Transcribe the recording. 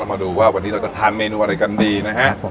มาดูว่าวันนี้เราจะทานเมนูอะไรกันดีนะฮะ